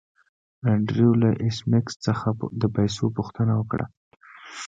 انډریو له ایس میکس څخه د پیسو پوښتنه وکړه